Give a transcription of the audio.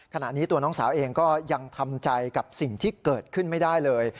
ขณะนี้ตัวน้องสาวเองก็ยังทำใจกับสิ่งที่เกิดขึ้นไม่ได้เลย